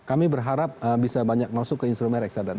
kami berharap bisa banyak masuk ke instrumen reksadana